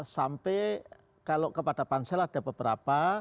sampai kalau kepada pansel ada beberapa